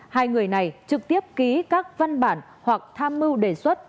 hai người này trực tiếp ký các văn bản hoặc tham mưu đề xuất